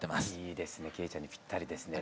いいですね惠ちゃんにぴったりですね。